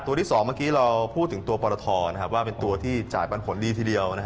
ที่๒เมื่อกี้เราพูดถึงตัวปรทว่าเป็นตัวที่จ่ายปันผลดีทีเดียว